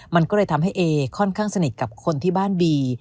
มันก็เลยทำให้เอค่อนข้างสนิทกับคนที่บ้านบี